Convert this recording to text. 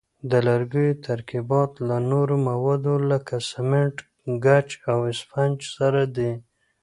د لرګیو ترکیبات له نورو موادو لکه سمنټ، ګچ او اسفنج سره دي.